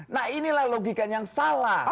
nah inilah logikanya yang salah